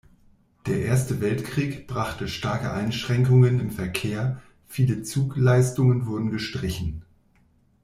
Der Erste Weltkrieg brachte starke Einschränkungen im Verkehr, viele Zugleistungen wurden gestrichen.